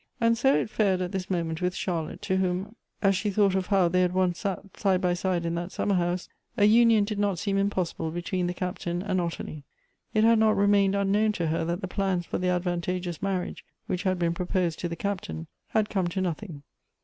And so it fared at this moment with Charlotte, to whom, as she thought of how they had once sat side by side in that summer house, a union did not seem impossible between the Captain and Ottilie. It had not remained unkn»*vn to her, that the plans for the advantageous marriage, which had been proposed to the Captain, had come to nothing.